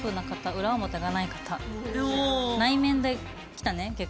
内面できたね結構。